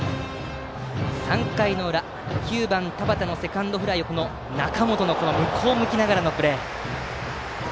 ３回裏９番、田端のセカンドフライを中本の向こうを向きながらのプレー。